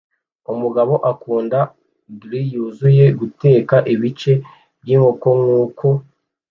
Umugabo akunda grill yuzuye guteka ibice byinkoko nkuko